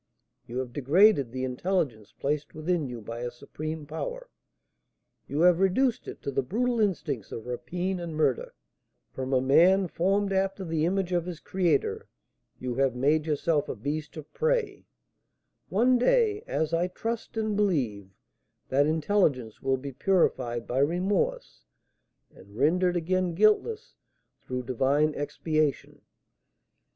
You have degraded the intelligence placed within you by a supreme power, you have reduced it to the brutal instincts of rapine and murder; from a man formed after the image of his Creator, you have made yourself a beast of prey: one day, as I trust and believe, that intelligence will be purified by remorse and rendered again guiltless through divine expiation.